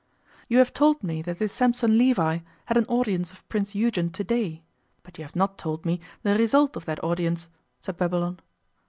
'You have told me that this Sampson Levi had an audience of Prince Eugen to day, but you have not told me the result of that audience,' said Babylon.